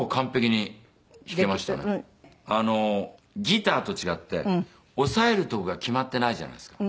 ギターと違って押さえる所が決まってないじゃないですか。